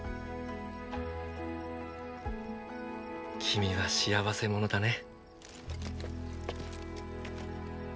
君は幸せ者だね。